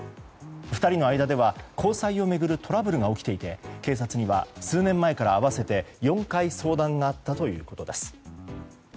２人の間では交際を巡るトラブルが起きていて警察には数年前から合わせて４回相談があったということです。